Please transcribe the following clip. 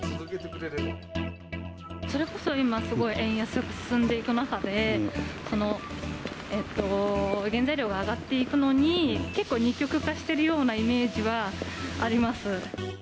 それこそ今、すごい円安が進んでいく中で、原材料が上がっていくのに、結構二極化してるようなイメージはあります。